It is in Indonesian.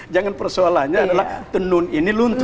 jangan persoalannya adalah tenun ini luntur